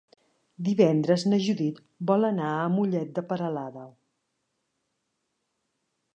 Divendres na Judit vol anar a Mollet de Peralada.